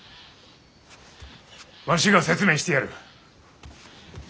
わしが説明してやる。